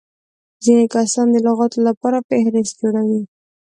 ځيني کسان د لغاتو له پاره فهرست جوړوي.